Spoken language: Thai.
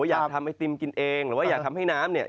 อยากทำไอติมกินเองหรือว่าอยากทำให้น้ำเนี่ย